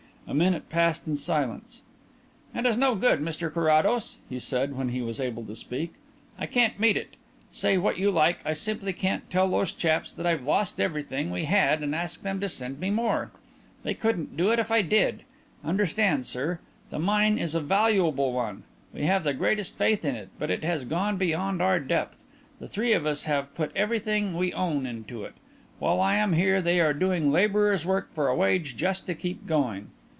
A minute passed in silence. "It's no good, Mr Carrados," he said, when he was able to speak; "I can't meet it. Say what you like, I simply can't tell those chaps that I've lost everything we had and ask them to send me more. They couldn't do it if I did. Understand, sir. The mine is a valuable one; we have the greatest faith in it, but it has gone beyond our depth. The three of us have put everything we own into it. While I am here they are doing labourers' work for a wage, just to keep going